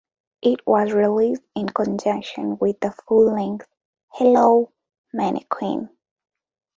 It was released in conjunction with the full-length "Hello, Mannequin".